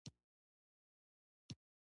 دا مقاومت له چوپتیا سره توپیر لري.